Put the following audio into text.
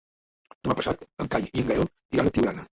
Demà passat en Cai i en Gaël iran a Tiurana.